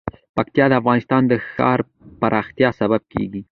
پکتیکا د افغانستان د ښاري پراختیا سبب کېږي.